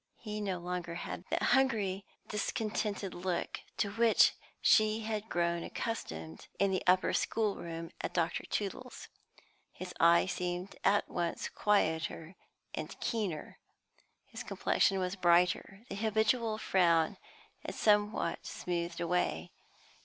He had no longer that hungry, discontented look to which she had grown accustomed in the upper schoolroom at Dr. Tootle's; his eye seemed at once quieter and keener; his complexion was brighter; the habitual frown had somewhat smoothed away.